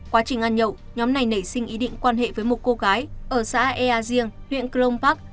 quá trình ăn nhậu nhóm này nảy sinh ý định quan hệ với một cô gái ở xã ea riêng huyện cửa lông bắc